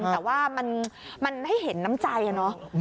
แต่ว่ามันให้เห็นน้ำใจอะเนาะ